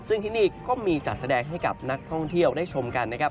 ซึ่งที่นี่ก็มีจัดแสดงให้กับนักท่องเที่ยวได้ชมกันนะครับ